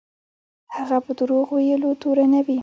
هغه په دروغ ویلو تورنوي.